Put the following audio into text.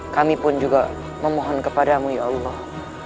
kami pun juga memohon kepadamu ya allah